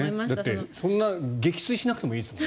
そんな撃墜しなくてもいいですもんね。